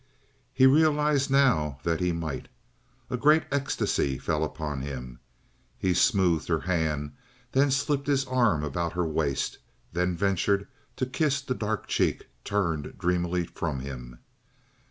He realized now that he might. A great ecstasy fell upon him. He smoothed her hand, then slipped his arm about her waist, then ventured to kiss the dark cheek turned dreamily from him.